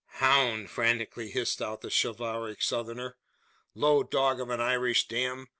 "Hound!" frantically hissed out the chivalric Southerner. "Low dog of an Irish dam!